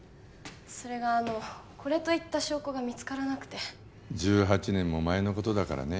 それがあのこれといった証拠が見つからなくて１８年も前のことだからね